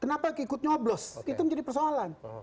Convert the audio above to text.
kenapa ikut nyoblos itu menjadi persoalan